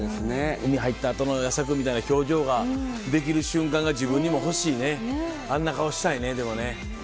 海入った後の安田君みたいな表情ができる瞬間が自分にも欲しいねあんな顔したいね。